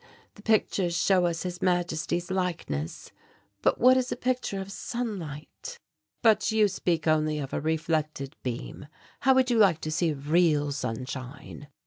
The pictures show us His Majesty's likeness, but what is a picture of sunlight?" "But you speak only of a reflected beam; how would you like to see real sunshine?"